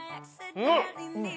うん！